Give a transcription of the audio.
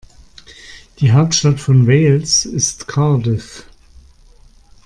Die Hauptstadt von Wales ist Cardiff.